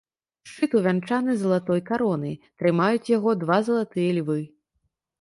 Шчыт увянчаны залатой каронай, трымаюць яго два залатыя львы.